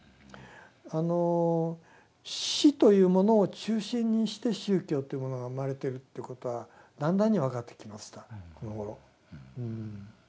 あの死というものを中心にして宗教というものが生まれてるっていうことはだんだんに分かってきましたこのごろ。